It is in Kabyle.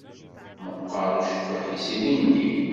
Meqqeṛ ucekkuḥ-is ilindi.